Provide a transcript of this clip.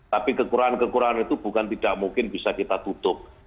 tapi kekurangan kekurangan itu bukan tidak mungkin bisa kita tutup